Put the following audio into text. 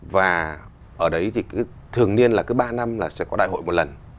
và ở đấy thì thường niên là cứ ba năm là sẽ có đại hội một lần